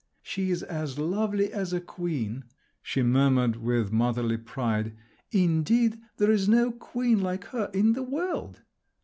"She's as lovely as a queen," she murmured with motherly pride, "indeed there's no queen like her in the world!"